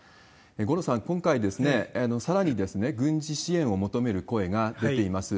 五郎さん、今回、さらにさらに軍事支援を求める声が出ています。